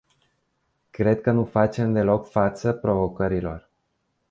Cred că nu facem deloc față provocărilor.